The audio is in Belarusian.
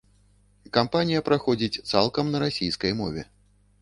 Кампанія праходзіць цалкам на расійскай мове.